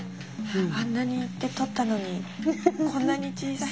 あんなに行って採ったのにこんなに小さい。